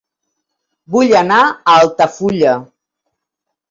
Vull anar a Altafulla